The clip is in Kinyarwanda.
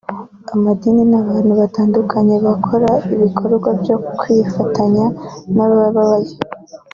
amadini n’abantu batandukanye bakora ibikorwa byo kwifatanya n’abababaye